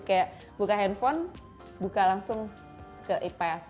kayak buka handphone buka langsung ke ipal